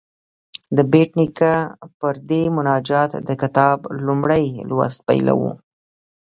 د بېټ نیکه پر دې مناجات د کتاب لومړی لوست پیلوو.